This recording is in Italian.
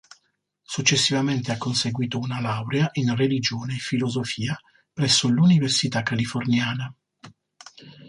Successivamente ha conseguito una laurea in religione e filosofia presso l'università californiana.